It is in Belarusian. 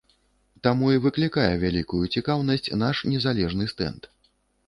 Таму і выклікае вялікаю цікаўнасць наш незалежны стэнд.